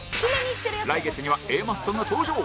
来月には Ａ マッソが登場